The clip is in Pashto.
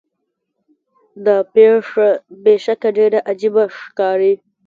دا پیښه بې شکه ډیره عجیبه ښکاري.